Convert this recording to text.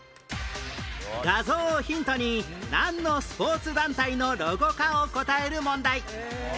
画像をヒントになんのスポーツ団体のロゴかを答える問題